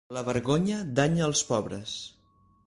La vergonya danya els pobres.